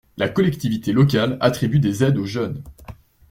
La collectivité locale attribue des aides aux jeunes.